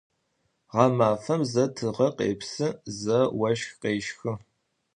Ğemafem ze tığer khêpsı, ze voşx khêşxı.